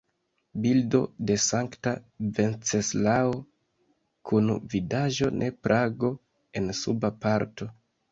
Bildo de Sankta Venceslao kun vidaĵo de Prago en suba parto.